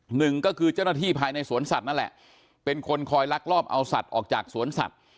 หนึ่งก็คือเจ้าหน้าที่ภายในสวนสัตว์นั่นแหละเป็นคนคอยลักลอบเอาสัตว์ออกจากสวนสัตว์